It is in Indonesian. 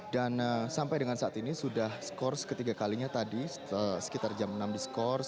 dan sampai dengan saat ini sudah skors ketiga kalinya tadi sekitar jam enam diskors